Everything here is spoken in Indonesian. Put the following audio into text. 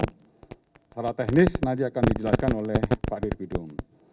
secara teknis nanti akan dijelaskan oleh pak dir widom